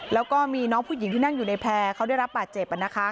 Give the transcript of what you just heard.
แล้วก็มีน้องผู้หญิงที่นั่งอยู่ในแพร่เขาได้รับบาดเจ็บ